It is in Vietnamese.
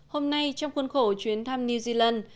hôm nay trong khuôn khổ chuyến thăm new zealand